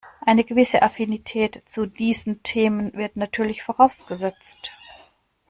Eine gewisse Affinität zu diesen Themen wird natürlich vorausgesetzt.